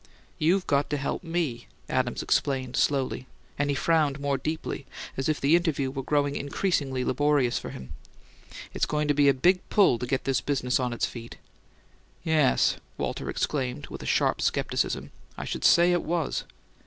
"You've got to help me," Adams explained slowly; and he frowned more deeply, as if the interview were growing increasingly laborious for him. "It's going to be a big pull to get this business on its feet." "Yes!" Walter exclaimed with a sharp skepticism. "I should say it was!"